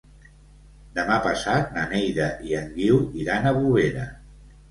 Demà passat na Neida i en Guiu iran a Bovera.